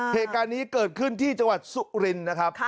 เหตุการณ์นี้เกิดขึ้นที่จังหวัดสุรินทร์นะครับ